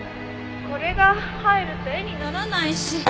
「これが入ると絵にならないし」